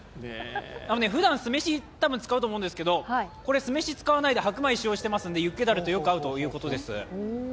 ふだん酢飯を使うと思うんですけど、これは白米使用してますのでユッケダレとよく合うということです。